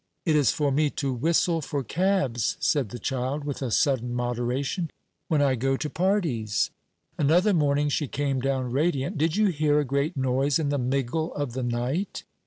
"It is for me to whistle for cabs," said the child, with a sudden moderation, "when I go to parties." Another morning she came down radiant, "Did you hear a great noise in the miggle of the night?